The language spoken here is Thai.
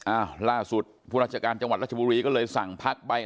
อ้าวล่าสุดผู้ราชการจังหวัดรัชบุรีก็เลยสั่งพักไป